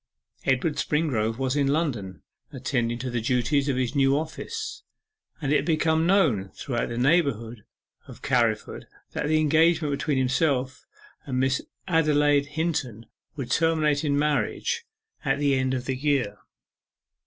Edward Springrove was in London, attending to the duties of his new office, and it had become known throughout the neighbourhood of Carriford that the engagement between himself and Miss Adelaide Hinton would terminate in marriage at the end of the year.